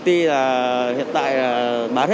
chỉ đạt hai mươi ba mươi